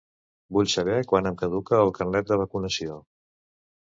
Vull saber quan em caduca el carnet de vacunació.